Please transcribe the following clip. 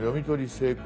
成功